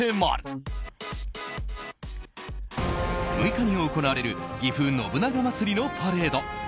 ６日に行われるぎふ信長まつりのパレード。